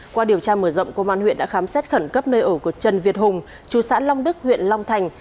qua điều tra mở rộng công an huyện đã khám xét khẩn cấp nơi ở của trần việt hùng chú xã long đức huyện long thành